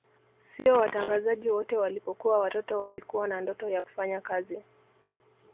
Sio watangazaji wote walipokuwa watoto walikuwa na ndoto ya kufanya kazi